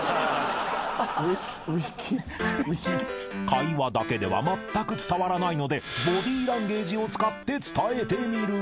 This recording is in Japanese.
［会話だけではまったく伝わらないのでボディーランゲージを使って伝えてみる］